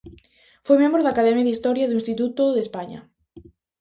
Foi membro da Academia de Historia e do Instituto de España.